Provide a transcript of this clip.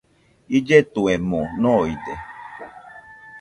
Illetuemo noide.